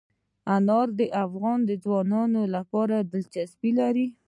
انار د افغان ځوانانو لپاره دلچسپي لري.